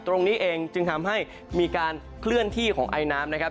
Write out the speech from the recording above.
ตรงนี้เองจึงทำให้มีการเคลื่อนที่ของไอน้ำนะครับ